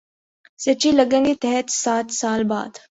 سچی لگن کے تحت سات سال بعد